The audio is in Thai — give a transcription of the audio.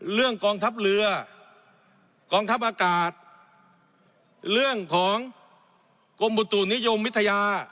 กองทัพเรือกองทัพอากาศเรื่องของกรมบุตุนิยมวิทยา